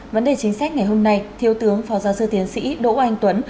vấn đề chính sách ngày hôm nay thiếu tướng phó giáo sư tiến sĩ đỗ anh tuấn